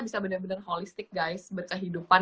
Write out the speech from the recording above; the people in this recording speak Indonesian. bisa benar benar holistik guys berkehidupan